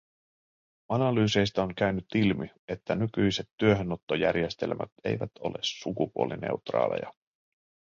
Analyyseistä on käynyt ilmi, että nykyiset työhönottojärjestelmät eivät ole sukupuolineutraaleja.